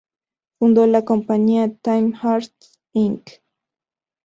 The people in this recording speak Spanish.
Fundó la compañia Time Arts Inc.